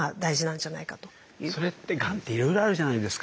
それってがんっていろいろあるじゃないですか。